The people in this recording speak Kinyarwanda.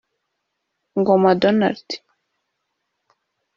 Ngoma Donald